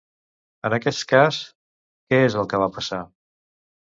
En aquest cas, què és el que va passar?